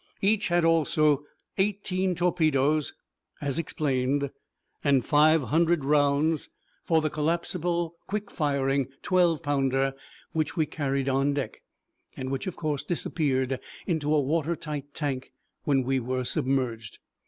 Each had also eighteen torpedoes as explained and five hundred rounds for the collapsible quick firing twelve pounder which we carried on deck, and which, of course, disappeared into a water tight tank when we were submerged.